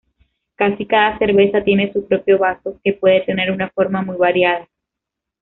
Casi cada cerveza tiene su propio vaso, que puede tener una forma muy variada.